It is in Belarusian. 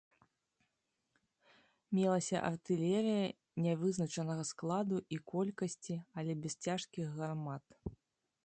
Мелася артылерыя нявызначанага складу і колькасці, але без цяжкіх гармат.